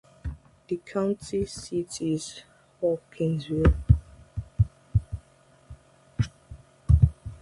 The county seat is Hawkinsville.